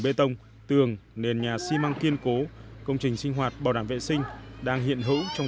bê tông tường nền nhà xi măng kiên cố công trình sinh hoạt bảo đảm vệ sinh đang hiện hữu trong